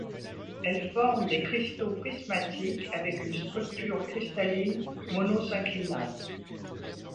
Elle forme des cristaux prismatiques avec une structure cristalline monosynclinale.